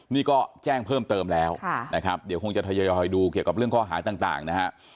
นี่ก็แจ้งเพิ่มเติมแล้วนะครับเดี๋ยวคงจะทยอยดูเกี่ยวกับเรื่องข้อหาต่างนะฮะ